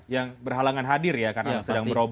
yang berhalangan hadir ya karena sedang berobat